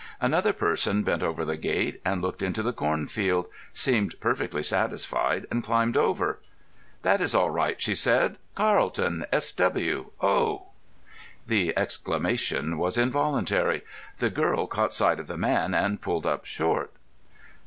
Another person bent over the gate, and looked into the cornfield, seemed perfectly satisfied, and climbed over. "This is all right," she said. "Carlton, S.W. Oh!" The exclamation was involuntary. The girl caught sight of the man and pulled up short.